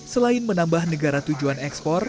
selain menambah negara tujuan ekspor